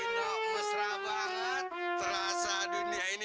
dan cara dinding gmail